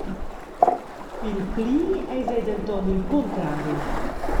Pil pli eis ei denton il cuntrari.